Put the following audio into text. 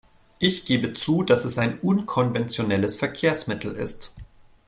Ich gebe zu, dass es ein unkonventionelles Verkehrsmittel ist.